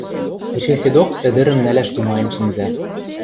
Эче седок ӹдӹрӹм нӓлӓш тумаен шӹнзӓ...